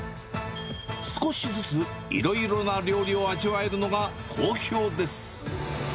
少しずついろいろな料理を味わえるのが好評です。